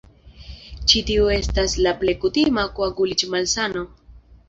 Ĉi tiu estas la plej kutima koaguliĝ-malsano.